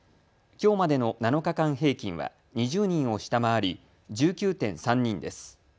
きょうまでの７日間平均は２０人を下回り１９．３人です。